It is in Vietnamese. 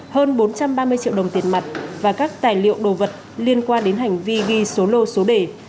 hơn bốn trăm ba mươi triệu đồng tiền mặt và các tài liệu đồ vật liên quan đến hành vi ghi số lô số đề